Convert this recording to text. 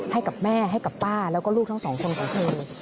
ให้กับแม่ให้กับป้าแล้วก็ลูกทั้งสองคนของเธอ